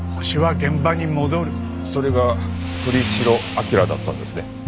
それが栗城明良だったんですね？